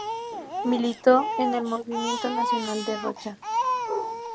Militó en el Movimiento Nacional de Rocha.